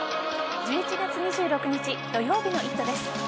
１１月２６日土曜日の「イット！」です。